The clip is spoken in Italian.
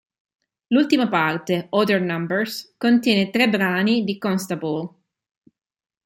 L'ultima parte, "Other Numbers", contiene tre brani di Constable.